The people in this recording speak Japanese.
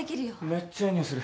めっちゃいい匂いする。